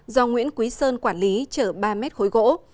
do nguyễn quý sơn quản lý chở ba mét khối gỗ